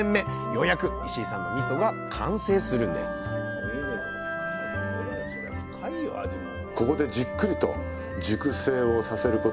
ようやく石井さんのみそが完成するんですそうですね。